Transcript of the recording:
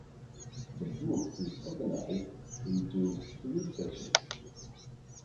The book is organized into three sections.